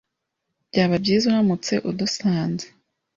Byaba byiza uramutse udusanze.